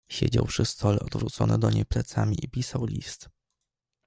"Siedział przy stole odwrócony do niej plecami i pisał list."